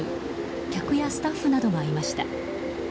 客やスタッフなどがいました。